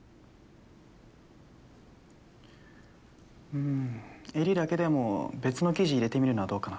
うーん襟だけでも別の生地入れてみるのはどうかな？